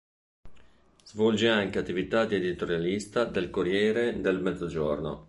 Svolge anche attività di editorialista del "Corriere del Mezzogiorno".